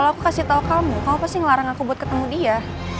kalau aku kasih tau kamu kamu pasti ngelarang aku buat ketemu dia